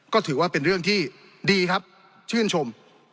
ก็ถือว่าเป็นเรื่องที่ดีครับชื่นชม